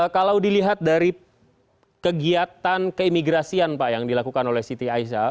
kalau dilihat dari kegiatan keimigrasian pak yang dilakukan oleh siti aisyah